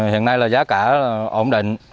hiện nay là giá cả ổn định